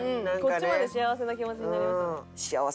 こっちまで幸せな気持ちになりましたね。